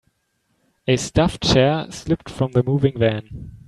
A stuffed chair slipped from the moving van.